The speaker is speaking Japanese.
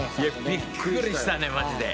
びっくりしたねマジで。